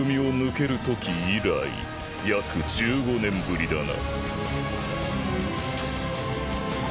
約１５年ぶりだな。